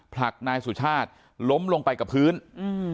ผลักนายสุชาติล้มลงไปกับพื้นอืม